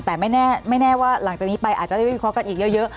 แต่ไม่แน่ว่าหลังจากนี้ไปอาจจะได้วิเคราะห์กันอีกเยอะ